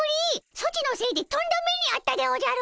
ソチのせいでとんだ目にあったでおじゃる！